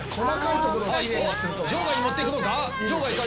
場外に持っていくのか？